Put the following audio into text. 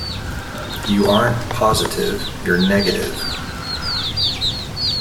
You aren’t positive, you’re negative.